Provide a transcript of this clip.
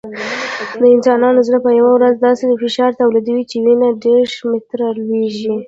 د انسان زړه په یوه ورځ داسې فشار تولیدوي چې وینه دېرش متره لوړېږي.